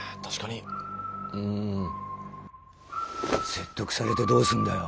説得されてどうすんだよ。